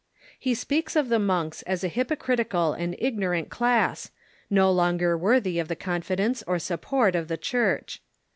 He speaks of the monks as a hypoci itical and ignorant class, no longer worthy of the confidence or support of the Church.